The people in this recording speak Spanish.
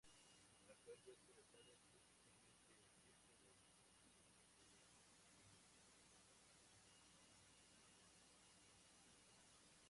Rafael Huesca González es actualmente el jefe de información del periódico.